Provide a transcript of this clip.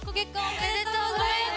「ありがとうございます。